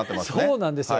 そうなんですよ。